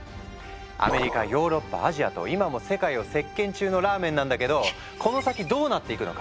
アメリカヨーロッパアジアと今も世界を席巻中のラーメンなんだけどこの先どうなっていくのか？